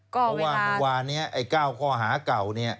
เพราะว่าวันนี้ไอ้๙ข้อหาเก่า